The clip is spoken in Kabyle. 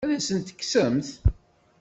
Ad asent-t-tekksemt?